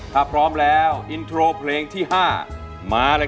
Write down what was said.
โปรดติดตามตอนต่อไป